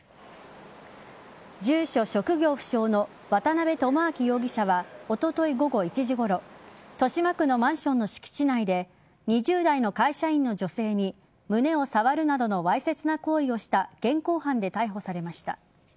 住所、職業不詳の渡辺智朗容疑者はおととい午後１時ごろ豊島区のマンションの敷地内で２０代の会社員の女性に胸を触るなどのわいせつな行為をした現行犯で逮捕されました。